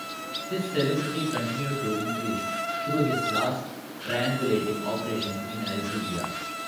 His celebrity continued to increase through his last triangulating operations in Algeria.